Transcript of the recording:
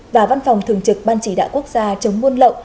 và văn phòng thường trực ban chỉ đạo quốc gia chống buôn lậu